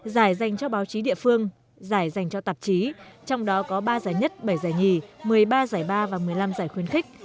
giải dành cho báo chí địa phương giải dành cho tạp chí trong đó có ba giải nhất bảy giải nhì một mươi ba giải ba và một mươi năm giải khuyến khích